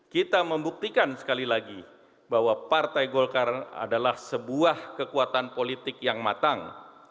kita membuktikan sekali lagi bahwa partai golkar adalah sebuah kekuatan politik yang matang